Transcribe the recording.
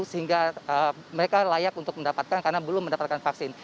sehingga mereka layak untuk mendapatkan karena belum mendapatkan vaksin